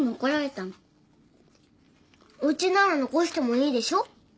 おうちなら残してもいいでしょ？